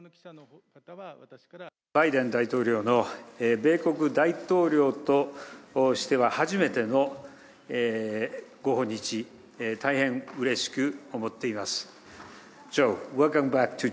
バイデン大統領の米国大統領としては初めてのご訪日、大変うれしく思っています。